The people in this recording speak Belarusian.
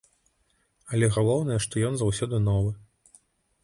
Але галоўнае, што ён заўсёды новы.